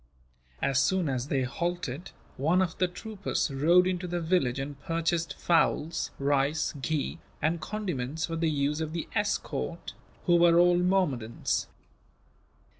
As soon as they halted, one of the troopers rode into the village and purchased fowls, rice, ghee, and condiments for the use of the escort, who were all Mahommedans.